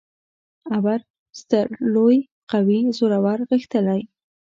ابر: ستر ، لوی ، قوي، زورور، غښتلی